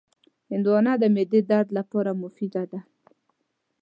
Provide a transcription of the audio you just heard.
هندوانه د معدې درد لپاره مفیده ده.